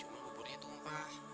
cuma buburnya tumpah